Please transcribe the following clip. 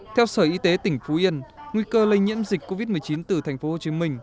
theo sở y tế tỉnh phú yên nguy cơ lây nhiễm dịch covid một mươi chín từ tp hcm